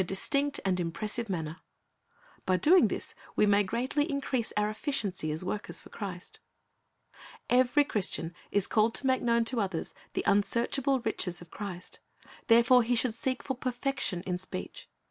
8:8. 33^ Christ's Object Lesson^ distinct and impressive manner. By doing this we may greatly increase our efficiency as workers for Christ. Every Christian is called to make known to others the unsearchable riches of Christ; therefore he should seek for perfection in speech.